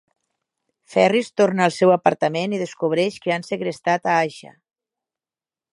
Ferris torna al seu apartament i descobreix que han segrestat a Aixa.